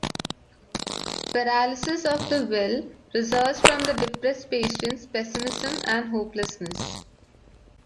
"Paralysis of the will" results from the depressed patients' pessimism and hopelessness.